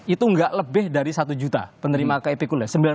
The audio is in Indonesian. itu nggak lebih dari satu juta penerima ke ipkuler